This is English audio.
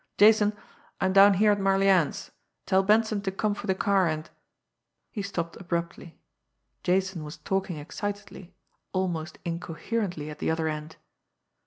"Jason, I am down here at Marlianne's. Tell Benson to come for the car, and " He stopped abruptly. Jason was talking excitedly, almost incoherently at the other end.